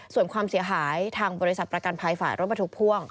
ส่วนความเสียหายทางบริษัทประกันภัยฝ่ายรถบรรทุกพ่วง